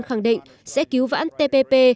khẳng định sẽ cứu vãn tpp